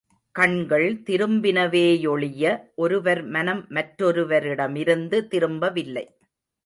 கண்கள் திரும்பினவே யொழிய ஒருவர் மனம் மற்றொருவரிடமிருந்து திரும்பவில்லை.